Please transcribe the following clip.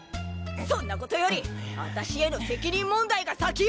そんな事より私への責任問題が先よ！